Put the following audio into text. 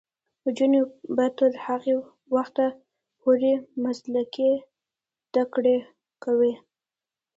نجونې به تر هغه وخته پورې مسلکي زدکړې کوي.